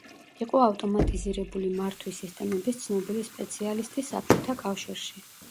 იყო ავტომატიზირებული მართვის სისტემების ცნობილი სპეციალისტი საბჭოთა კავშირში.